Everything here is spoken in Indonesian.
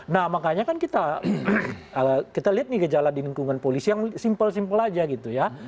nah makanya kan kita lihat nih gejala di lingkungan polisi yang simpel simpel aja gitu ya